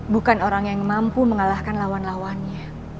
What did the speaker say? bukan orang yang mampu mengalahkan lawan lawannya